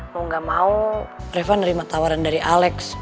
lo gak mau reva nerima tawaran dari alex